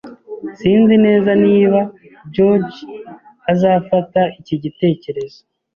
Sinzi neza niba George azafata iki gitekerezo.